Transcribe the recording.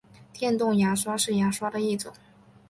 电动牙刷是牙刷的一种。